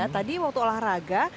tadi waktu olahraga